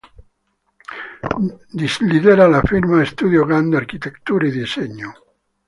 Lidera la firma Studio Gang, de arquitectura y diseño.